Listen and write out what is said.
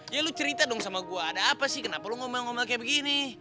ya lu cerita dong sama gue ada apa sih kenapa lu ngomong ngomong kayak begini